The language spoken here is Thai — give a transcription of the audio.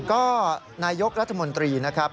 ก็นายกรัฐมนตรีนะครับ